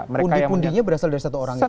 pundi pundinya berasal dari satu orang itu